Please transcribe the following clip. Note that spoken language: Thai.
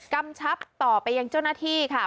กำชับต่อไปยังเจ้าหน้าที่ค่ะ